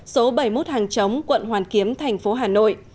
số bảy mươi một hàng chống quận hoàn kiếm thành phố hà nội